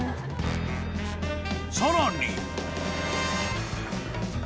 ［さらに］